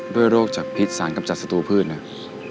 ด้วยโรคจับพิษสารกำจัดศัตรูพืชน่ะ